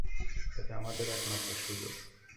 এটা আমাদের একমাত্র সুযোগ।